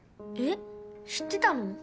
えっ知ってたの？